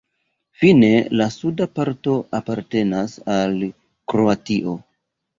Fine la suda parto apartenas al Kroatio.